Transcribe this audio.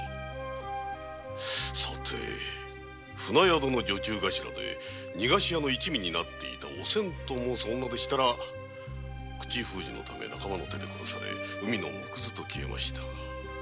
舟宿の女中頭で逃がし屋の一味になっていたおせんと申す女でしたら口封じのため仲間の手で殺され海の藻くずと消えました。